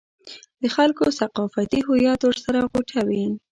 د خلکو ثقافتي هویت ورسره غوټه وي.